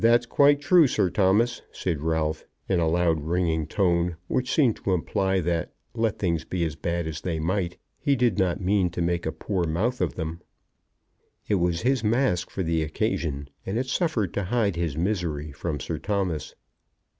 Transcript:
"That's quite true, Sir Thomas," said Ralph, in a loud ringing tone, which seemed to imply that let things be as bad as they might he did not mean to make a poor mouth of them. It was his mask for the occasion, and it sufficed to hide his misery from Sir Thomas.